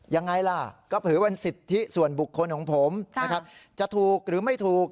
ยังไงล่ะก็ถือเป็นสิทธิส่วนบุคคลของผมนะครับจะถูกหรือไม่ถูก